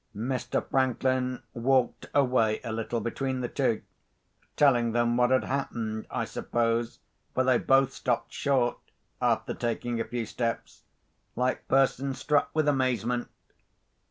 Mr. Franklin walked away a little between the two, telling them what had happened I suppose, for they both stopped short, after taking a few steps, like persons struck with amazement.